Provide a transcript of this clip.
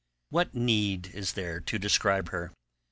What need is there to describe her?